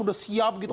udah siap gitu